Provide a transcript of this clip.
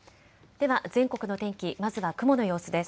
では全国の天気、まずは雲の様子です。